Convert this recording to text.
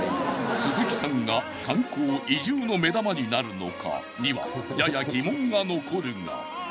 鈴木さんが観光・移住の目玉になるのかにはやや疑問が残るが。